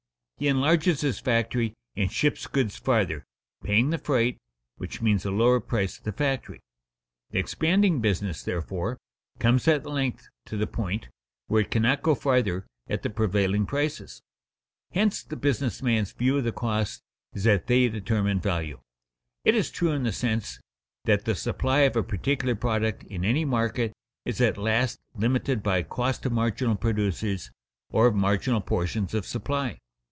He enlarges his factory and ships goods farther, paying the freight, which means a lower price at the factory. The expanding business, therefore, comes at length to the point where it cannot go farther at the prevailing prices. Hence the business man's view of the costs is that they determine value. It is true in the sense that the supply of a particular product in any market is at last limited by cost of marginal producers or of marginal portions of supply.